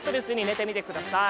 寝てみてください